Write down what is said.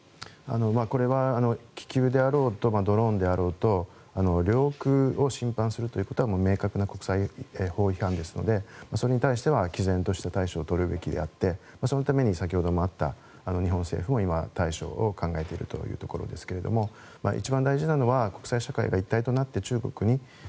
これは気球であろうとドローンであろうと領空を侵犯するということは明確な国際法違反なのでそれに対しては毅然とした対処を取るべきであってそのために先ほどもあった日本政府も今、対処を考えているというところですがいよいよ厳しい冬本番。